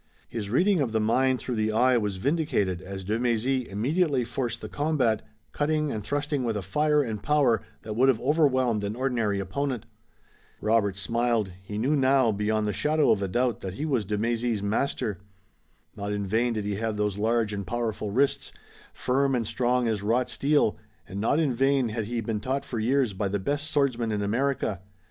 His reading of the mind through the eye was vindicated as de Mézy immediately forced the combat, cutting and thrusting with a fire and power that would have overwhelmed an ordinary opponent. Robert smiled. He knew now beyond the shadow of a doubt that he was de Mézy's master. Not in vain did he have those large and powerful wrists, firm and strong as wrought steel, and not in vain had he been taught for years by the best swordsman in America.